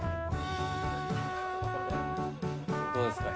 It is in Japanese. どうですか？